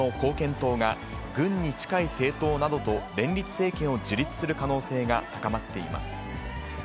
党が、軍に近い政党などと連立政権を樹立する可能性が高まっています。